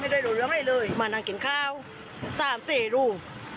ไม่ได้หลวนเรื่องไรเลยมานั่งกินข้าว๓๔รู